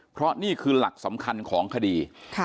เพราะนี่คือหลักสำคัญของคดี